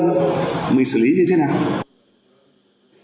mình xử lý như thế nào